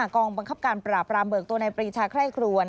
กองบังคับการปราบรามเบิกตัวในปรีชาไคร่ครวน